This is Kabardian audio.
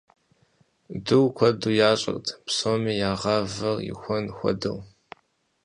Дур куэду ящӏырт, псоми я гъавэр ихуэн хуэдэу.